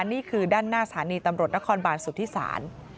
นี่คือด้านหน้าสถานีตำรวจนครบานสุธิศาล